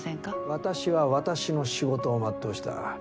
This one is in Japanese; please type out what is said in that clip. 私は私の仕事を全うした。